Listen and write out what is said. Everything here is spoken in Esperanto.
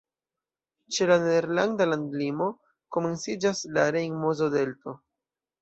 Ĉe la nederlanda landlimo komenciĝas la Rejn-Mozo-Delto.